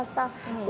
mas agus luar biasa